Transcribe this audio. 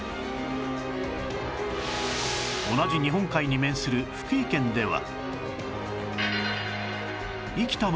同じ日本海に面する福井県では